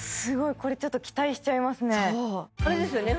これちょっと期待しちゃいますね